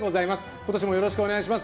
今年もよろしくお願いします。